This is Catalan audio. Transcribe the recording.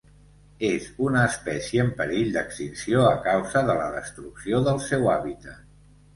És una espècie en perill d'extinció a causa de la destrucció del seu hàbitat.